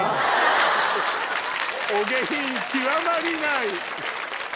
お下品極まりない！